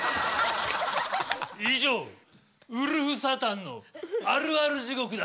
以上ウルフサタンのあるあるじごくだ。